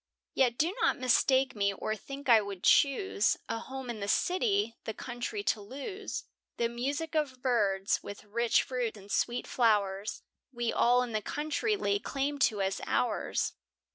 Yet do not mistake me, or think I would choose, A home in the city, the country to lose; The music of birds, with rich fruits and sweet flowers, We all in the country lay claim to as ours.